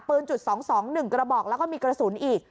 ปืนจุด๒๒๑กระบอกแล้วก็มีกระสุนอีก